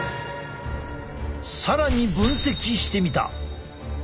更に分析してみた。